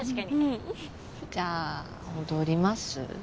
じゃあ踊ります？